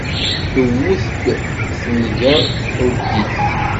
Tewwet-d tenga thudd-it.